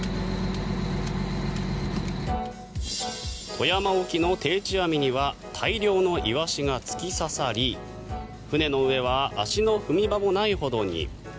富山沖の定置網には大量のイワシが突き刺さり船の上は足の踏み場もないほどに。